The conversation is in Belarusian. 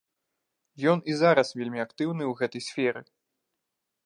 Ён і зараз вельмі актыўны ў гэтай сферы.